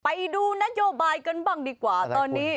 ไปดูนโยบายกันบ้างดีกว่าตอนนี้